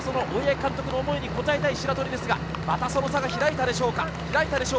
何とか大八木監督の思いに応えたい白鳥ですが、またその差が開いたでしょうか。